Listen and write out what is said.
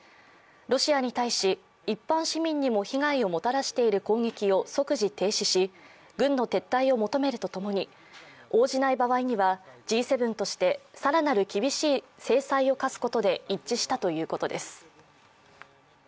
ロシアに対し、一般市民にも被害をもたらしている攻撃を即時停止し、軍の撤退を求めるとともに応じない場合にはＧ７としてさらなる厳しい制裁を科すことで一致したということです。